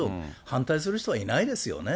反対する人はいないですよね。